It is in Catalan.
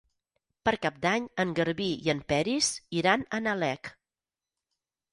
Per Cap d'Any en Garbí i en Peris iran a Nalec.